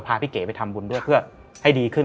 พี่เก๋ไปทำบุญด้วยเพื่อให้ดีขึ้น